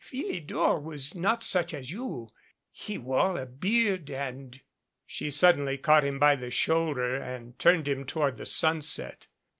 "Phili dor was not such as you. He wore a beard and She suddenly caught him by the shoulder and turned him toward the sunset.